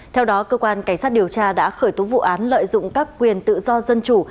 theo đó cơ quan cảnh sát điều tra đã khởi tố vụ án lợi dụng các quyền tự do dân chủ